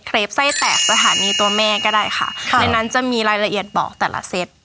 ปไส้แตกสถานีตัวแม่ก็ได้ค่ะในนั้นจะมีรายละเอียดบอกแต่ละเซต